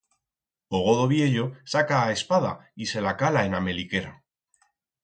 O godo viello saca a espada y se la cala en a meliquera.